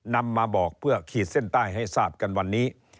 นำมาบอกเพื่อขีดเส้นใต้ให้ทราบกันวันนี้